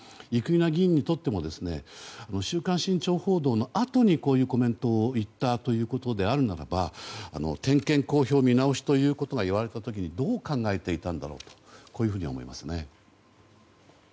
生稲議員にとっても「週刊新潮」報道のあとにこういうコメントを言ったということであるならば点検公表を見直しということが言われた時にどう考えていたんだろうとこういうふうに思いますね。